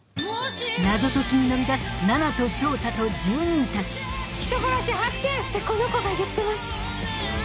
謎解きに乗り出す菜奈と翔太と住人たち人殺し発見！ってこの子が言ってます。